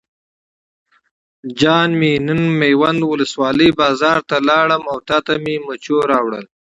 جان مې نن میوند ولسوالۍ بازار ته لاړم او تاته مې مچو راوړل.